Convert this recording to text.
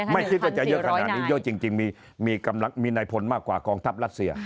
ไม่คิดว่าจะเยอะขนาดนี้นะฮะ๑๔๐๐นาย